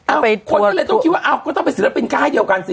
คนก็เลยต้องคิดว่าอ้าวก็ต้องเป็นศิลปินค่ายเดียวกันสิ